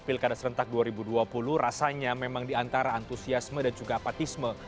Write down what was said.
pilkada serentak dua ribu dua puluh rasanya memang diantara antusiasme dan juga apatisme